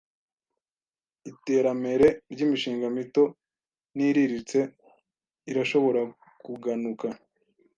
Iteramere ry'imishinga mito n'iiriritse irashoora kuganuka